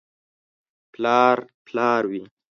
• پلار پلار وي.